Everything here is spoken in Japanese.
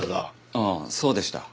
ああそうでした。